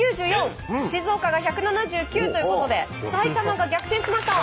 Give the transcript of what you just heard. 静岡が１７９ということで埼玉が逆転しました！